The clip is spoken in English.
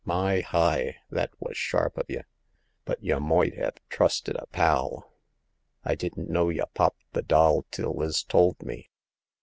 My heye ! that was sharp of y' ; but y' moight 'ev trusted a pal ! I didn't know y' popped the doll till Liz told me.